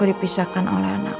our kids akan pulang sekarang